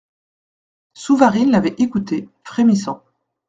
Souvarine l'avait écouté, frémissant.